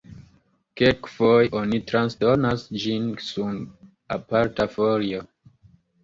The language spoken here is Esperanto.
Kelkfoje oni transdonas ĝin sur aparta folio.